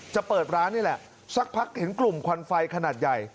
จะเปิดร้านนี่แหละสักพักเห็นกลุ่มควันไฟขนาดใหญ่